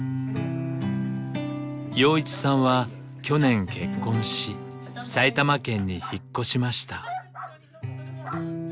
陽一さんは去年結婚し埼玉県に引っ越しました。